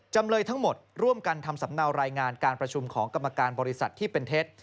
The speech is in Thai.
จำเลยทั้งหมดร่วมกันทำสำเนารายงานการประชุมของกรรมการบริษัทที่เป็นเท็จ